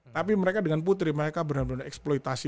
tapi mereka dengan putri mereka benar benar eksploitasi